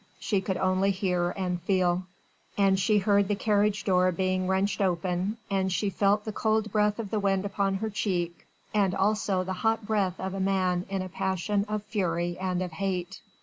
She could only hear and feel. And she heard the carriage door being wrenched open, and she felt the cold breath of the wind upon her cheek, and also the hot breath of a man in a passion of fury and of hate.